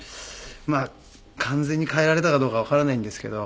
まあ完全に変えられたかどうかわからないんですけど。